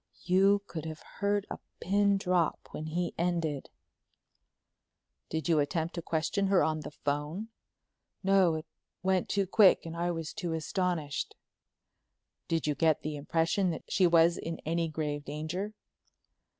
You could have heard a pin drop when he ended. "Did you attempt to question her on the phone?" "No, it all went too quick and I was too astonished." "Did you get the impression that she was in any grave danger?"